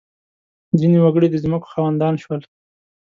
• ځینې وګړي د ځمکو خاوندان شول.